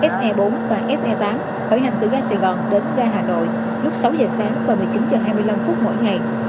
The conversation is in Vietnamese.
s hai mươi bốn và s hai mươi tám khởi hành từ ga sài gòn đến ga hà nội lúc sáu giờ sáng và một mươi chín giờ hai mươi năm phút mỗi ngày